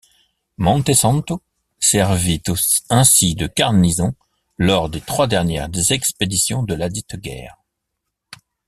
Monte Santo servit ainsi de garnison lors des trois dernières expéditions de ladite guerre.